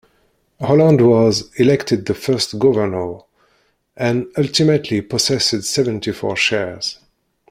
Holland was elected the first governor, and ultimately possessed seventy-four shares.